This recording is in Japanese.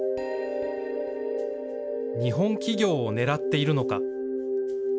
日本企業を狙っているのか。